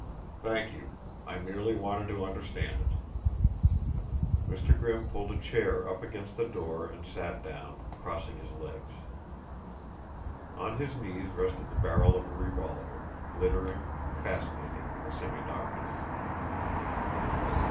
"Thank you. I merely wanted to understand it." Mr. Grimm pulled a chair up against the door and sat down, crossing his legs. On his knees rested the barrel of a revolver, glittering, fascinating, in the semi darkness.